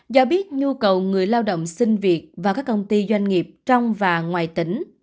do biết nhu cầu người lao động xin việc và các công ty doanh nghiệp trong và ngoài tỉnh